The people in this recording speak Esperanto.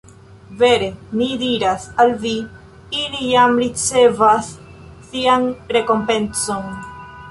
Vere mi diras al vi: Ili jam ricevas sian rekompencon.